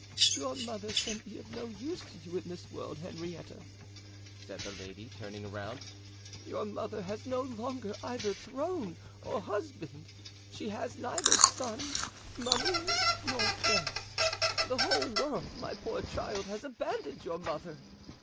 "Your mother can be of no use to you in this world, Henrietta," said the lady, turning around. "Your mother has no longer either throne or husband; she has neither son, money nor friends; the whole world, my poor child, has abandoned your mother!"